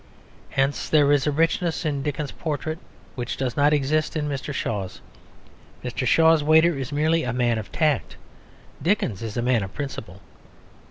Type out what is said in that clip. Hence there is a richness in Dickens's portrait which does not exist in Mr. Shaw's. Mr. Shaw's waiter is merely a man of tact; Dickens's is a man of principle.